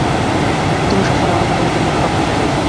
তুমি সবসময় আমাকে টনিকের মতো প্রভাবিত করেছ।